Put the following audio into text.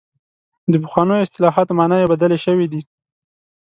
د پخوانیو اصطلاحاتو معناوې بدلې شوې دي.